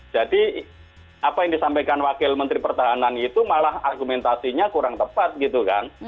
jadi apa yang disampaikan wakil menteri pertahanan itu malah argumentasinya kurang tepat gitu kan